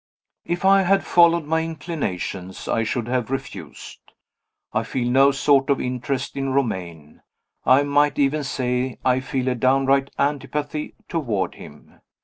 If I had followed my inclinations, I should have refused. I feel no sort of interest in Romayne I might even say I feel a downright antipathy toward him.